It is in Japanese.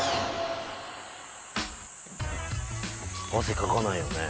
汗かかないよね。